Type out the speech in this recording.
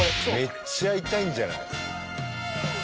めっちゃ痛いんじゃない？